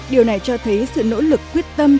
điều này cho thấy sự nỗ lực quyết tâm